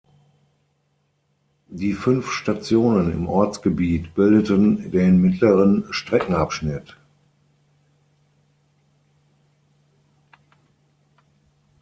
Die fünf Stationen im Ortsgebiet bildeten den mittleren Streckenabschnitt.